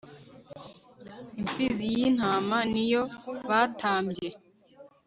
impfizi y'intama niyo batambye